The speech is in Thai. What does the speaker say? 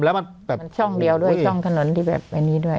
แล้วมันแบบมันช่องเดียวด้วยช่องถนนที่แบบอันนี้ด้วย